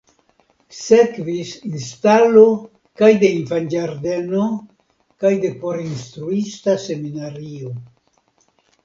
Sekvis instalo kaj de infanĝardeno kaj de porinstruista seminario.